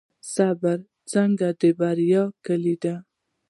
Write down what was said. صبر څنګه د بریا کیلي ده؟